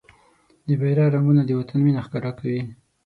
د بېرغ رنګونه د وطن مينه ښکاره کوي.